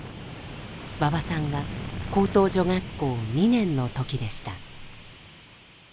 馬場さんが高等女学校２年の時でした。